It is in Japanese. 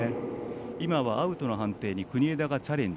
今はアウトの判定に国枝がチャレンジ。